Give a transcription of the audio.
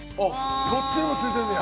そっちにも、ついてんねや！